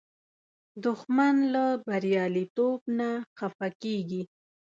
دښمن له بریالیتوب نه خفه کېږي